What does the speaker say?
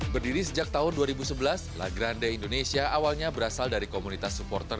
berdiri sejak tahun dua ribu sebelas la grande indonesia awalnya berasal dari komunitas supporter